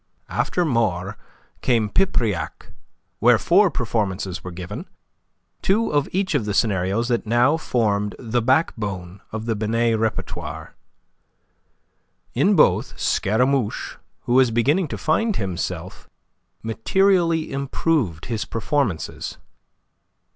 After Maure came Pipriac, where four performances were given, two of each of the scenarios that now formed the backbone of the Binet repertoire. In both Scaramouche, who was beginning to find himself, materially improved his performances.